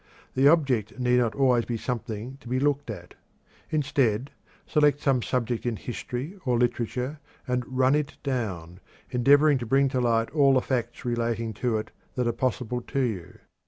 The object need not always be something to be looked at. Instead, select some subject in history or literature, and "run it down," endeavoring to bring to light all the facts relating to it that are possible to you.